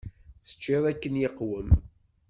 Teččiḍ akken iqwem?